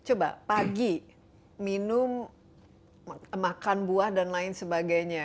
coba pagi minum makan buah dan lain sebagainya